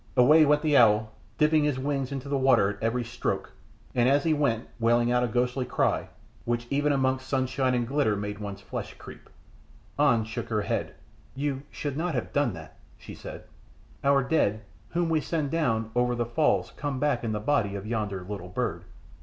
Away went the owl, dipping his wings into the water at every stroke, and as he went wailing out a ghostly cry, which even amongst sunshine and glitter made one's flesh creep. An shook her head. "You should not have done that," she said; "our dead whom we send down over the falls come back in the body of yonder little bird.